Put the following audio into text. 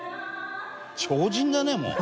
「超人だねもう」